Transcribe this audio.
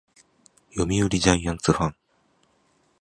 読売ジャイアンツファン